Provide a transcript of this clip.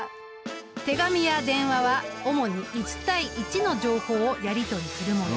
手紙や電話は主に１対１の情報をやり取りするもの。